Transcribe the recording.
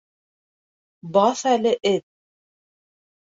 — Баҫ әле, эт!